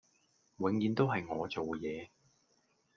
永遠都係我做野